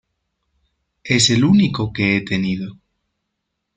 Es el único que he tenido.